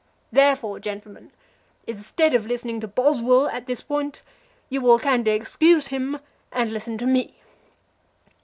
Therefore, gentlemen, instead of listening to Boswell at this point, you will kindly excuse him and listen to me.